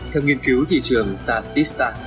theo nghiên cứu thị trường tastista